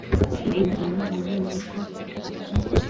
iyo ibibazo binaniranye, ni bwo hitabazwa inkiko.